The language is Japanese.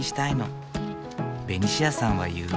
ベニシアさんは言う。